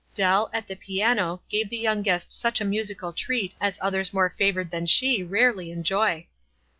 Dell, at the piano, gave the young guest such a musical treat as others more favored than she rarely enjoy.